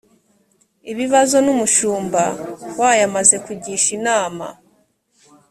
ibibazo n umushumba wayo amaze kugisha inama